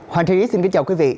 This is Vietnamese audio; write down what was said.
hoàng trí xin kính chào quý vị